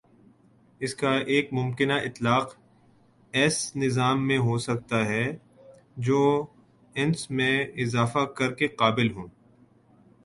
اس کا ایک ممکنہ اطلاق ایس نظام میں ہو سکتا ہے جو انس میں اضافہ کر کے قابل ہو